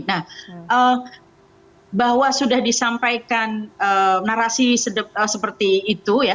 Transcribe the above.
nah bahwa sudah disampaikan narasi seperti itu ya